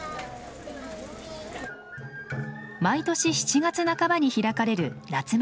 毎年７月半ばに開かれる夏祭り。